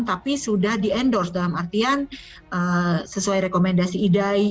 tapi sudah di endorse dalam artian sesuai rekomendasi idai